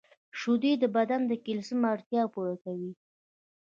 • شیدې د بدن د کلسیم اړتیا پوره کوي.